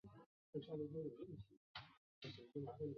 终极杀戮乐团是一支来自美国麻萨诸塞州的金属核乐团。